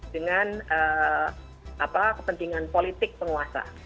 dengan kepentingan politik penguasa